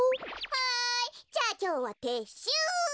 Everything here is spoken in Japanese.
はいじゃあきょうはてっしゅう。